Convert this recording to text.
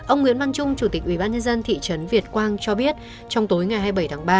ông nguyễn văn trung chủ tịch ubnd thị trấn việt quang cho biết trong tối ngày hai mươi bảy tháng ba